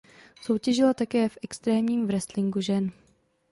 Soutěžila také v Extrémním wrestlingu žen.